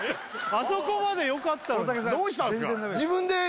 あそこまでよかったのにどうしたんすか？